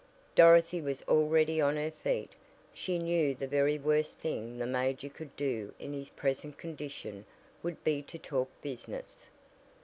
Dorothy was already on her feet. She knew the very worst thing the major could do in his present condition would be to talk business.